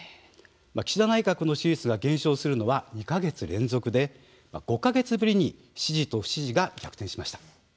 岸田内閣の支持率が減少するのは２か月連続で５か月ぶりに支持と不支持が逆転しました。